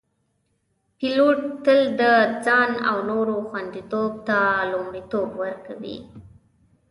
پیلوټ تل د ځان او نورو خوندیتوب ته لومړیتوب ورکوي.